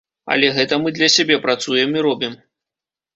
Але гэта мы для сябе працуем і робім.